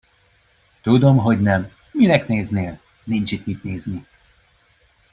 Tudom, hogy nem, minek néznél, nincs itt mit nézni.